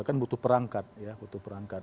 kan butuh perangkat ya butuh perangkat